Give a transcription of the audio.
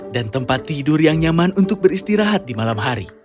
dan tempat tidur yang nyaman untuk beristirahat di malam hari